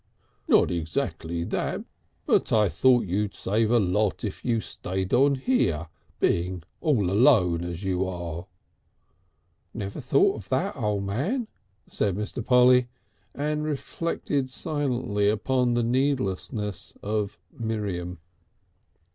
"Not exactly that. But I thought you'd save a lot if you stayed on here being all alone as you are." "Never thought of that, O' Man," said Mr. Polly, and reflected silently upon the needlessness of Miriam.